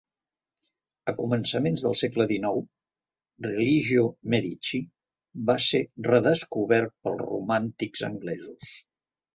A començaments del segle XIX, "Religio Medici" va ser "redescobert" pels romàntics anglesos.